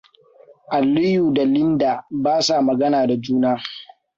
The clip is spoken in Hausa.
Aliyu da Linda ba sa magana da juna.